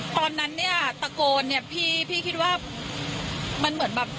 ตอนนั้นเนี่ยตะโกนเนี่ยพี่พี่คิดว่ามันเหมือนแบบ